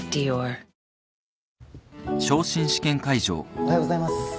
おはようございます。